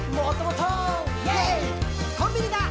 「コンビニだ！